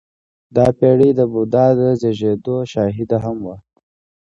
• دا پېړۍ د بودا د زېږېدو شاهده هم وه.